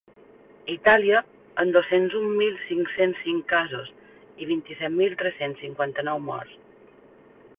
Itàlia, amb dos-cents un mil cinc-cents cinc casos i vint-i-set mil tres-cents cinquanta-nou morts.